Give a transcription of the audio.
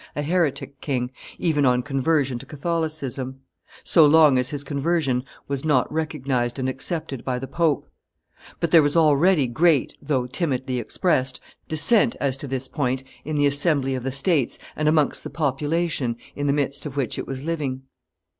a heretic king, even on conversion to Catholicism, so long as his conversion was not recognized and accepted by the pope; but there was already great, though timidly expressed, dissent as to this point in the assembly of the states and amongst the population in the midst of which it was living.